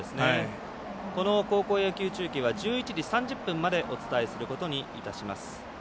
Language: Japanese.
この高校野球中継は１１時３０分までお伝えすることにいたします。